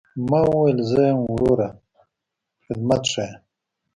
ما وويل زه يم وروه خدمت ښييه.